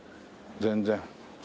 全然。